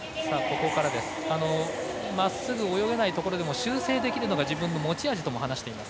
まっすぐ泳げないところでも修正できるところが自分の持ち味とも話しています。